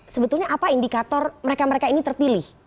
sebetulnya apa indikator mereka mereka ini terpilih